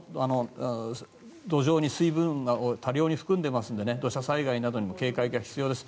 土壌が水分を多量に含んでいますので土砂災害などにも警戒が必要です。